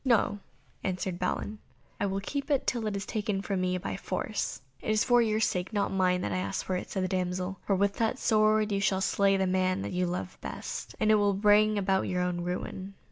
"No," answered Balin, "I will keep it till it is taken from me by force." "It is for your sake, not mine, that I ask for it," said the damsel, "for with that sword you shall slay the man you love best, and it will bring about your own ruin."